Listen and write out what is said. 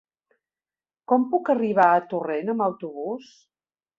Com puc arribar a Torrent amb autobús?